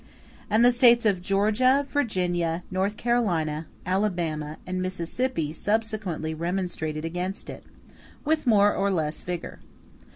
And the States of Georgia, Virginia, North Carolina, Alabama, and Mississippi subsequently remonstrated against it with more or less vigor.